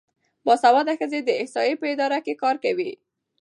باسواده ښځې د احصایې په اداره کې کار کوي.